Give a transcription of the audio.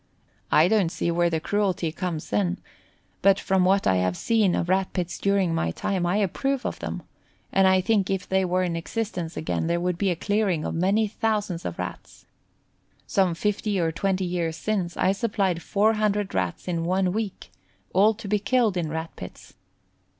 I don't see where the cruelty comes in, but from what I have seen of Rat pits during my time I approve of them, and I think if they were in existence again there would be a clearing of many thousands of Rats. Some 15 or 20 years since, I supplied 400 Rats in one week, all to be killed in Rat pits.